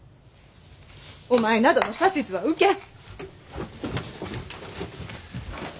お前などの指図は受けん！